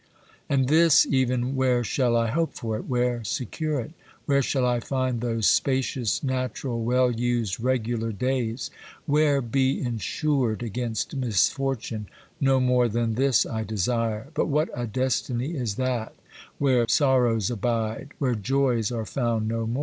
And this even, where shall I hope for it, where secure it ? Where shall I find those spacious, natural, well used, regular days ? Where be insured against misfortune ? No more than this I desire. But what a destiny is that where sorrows abide, where joys are found no more